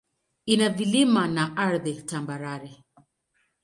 Ina vilima na ardhi tambarare.